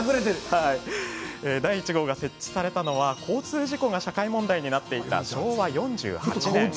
第１号が設置されたのは交通事故が社会問題になっていた昭和４８年。